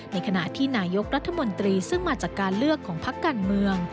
ในขณะที่นายกรัฐมนตรีซึ่งมาจากการเลือกของพักการเมือง